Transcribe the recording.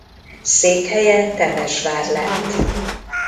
Székhelye Temesvár lett.